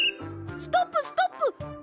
ストップストップ！